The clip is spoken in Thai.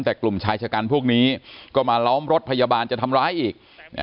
แต่กลุ่มชายชะกันพวกนี้ก็มาล้อมรถพยาบาลจะทำร้ายอีก